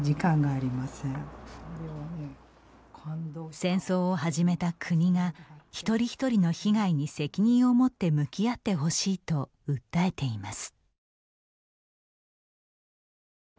戦争を始めた国が一人一人の被害に責任を持って向き合ってほしいと訴えています。